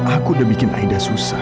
aku udah bikin aida susah